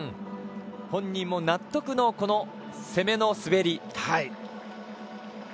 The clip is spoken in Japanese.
本人も納得の攻めの滑り。